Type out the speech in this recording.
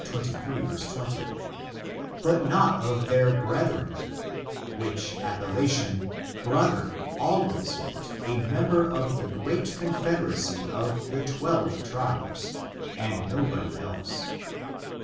xxiii, 20, but not of their brethren^ which ap pellation brother always meant a member of the great confederacy of the twelve tribes, and nobody else.